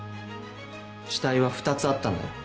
死体は２つあったんだよ。